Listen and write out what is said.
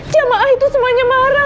jamaah itu semuanya marah